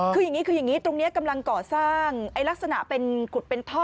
คือยังงี้ตรงนี้กำลังก่อสร้างลักษณะเป็นขุดเป็นท่อ